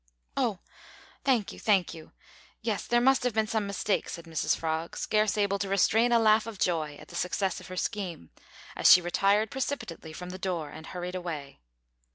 "Oh! thank you, thank you yes, there must have been some mistake," said Mrs Frog, scarce able to restrain a laugh of joy at the success of her scheme, as she retired precipitately from the door and hurried away.